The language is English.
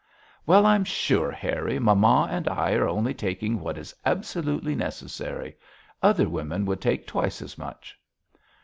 'Well, I'm sure, Harry, mamma and I are only taking what is absolutely necessary. Other women would take twice as much.'